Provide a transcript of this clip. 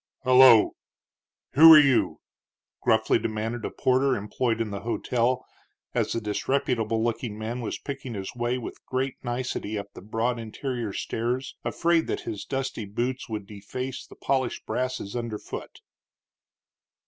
"Hullo! who are you?" gruffly demanded a porter employed in the hotel, as the disreputable looking man was picking his way with great nicety up the broad interior stairs, afraid that his dusty boots would deface the polished brasses under foot.